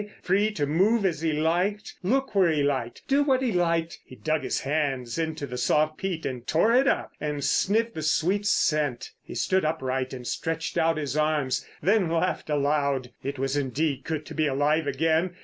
Free to move as he liked, look where he liked, do what he liked. He dug his hands into the soft peat and tore it up, and sniffed the sweet scent. He stood upright and stretched out his arms, then laughed aloud. It was indeed good to be alive again.